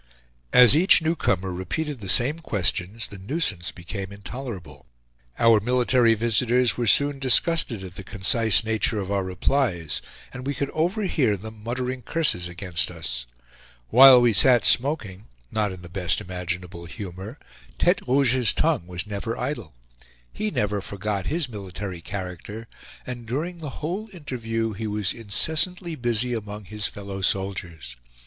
As each newcomer repeated the same questions, the nuisance became intolerable. Our military visitors were soon disgusted at the concise nature of our replies, and we could overhear them muttering curses against us. While we sat smoking, not in the best imaginable humor, Tete Rouge's tongue was never idle. He never forgot his military character, and during the whole interview he was incessantly busy among his fellow soldiers.